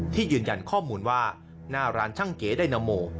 ยืนยันข้อมูลว่าหน้าร้านช่างเก๋ไดนาโม